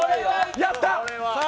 やったー！